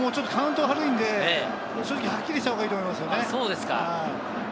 でもちょっとカウントが悪いので、正直はっきりしたほうがいいと思いますね。